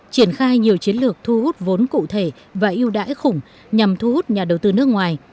triển khai nhiều chiến lược thu hút vốn cụ thể và yêu đãi khủng nhằm thu hút nhà đầu tư nước ngoài